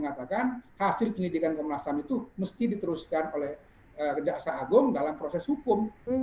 mengatakan hasil penyidikan komnas ham itu mesti diteruskan oleh kejaksaan agung dalam proses hukum